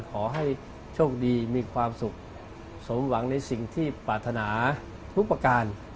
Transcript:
ขอให้โชคดีมีความสุขสมหวังในสิ่งที่ปรารถนาทุกประการ